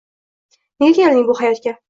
Nega kelding hayotga